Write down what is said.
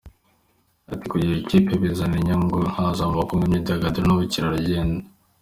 Yagize ati “Kugira ikipe bizana inyungu nyinshi haba mu bukungu, imyidagaduro n’ubukerarugendo.